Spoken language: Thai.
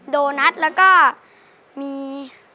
โดนัทแล้วก็มี